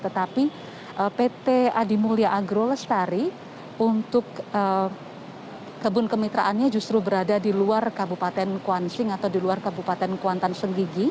tetapi pt adimulya agro lestari untuk kebun kemitraannya justru berada di luar kabupaten kuantan sengingi